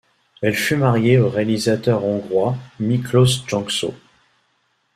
Elle fut mariée au réalisateur hongrois Miklós Jancsó.